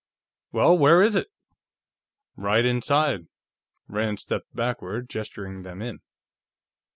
Well, where is it?" "Right inside." Rand stepped backward, gesturing them in.